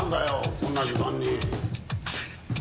こんな時間に。